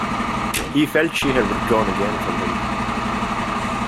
He felt she had withdrawn again from him.